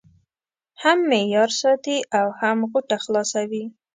هم معیار ساتي او هم غوټه خلاصوي.